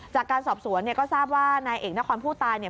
จากการสอบสวนเนี่ยก็ทราบว่านายเอกนครผู้ตายเนี่ย